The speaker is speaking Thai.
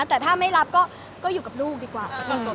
แต่ถ้าไม่รับก็อยู่กับลูกดีกว่า